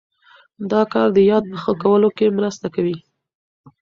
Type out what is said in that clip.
دا کار د یاد په ښه کولو کې مرسته کوي.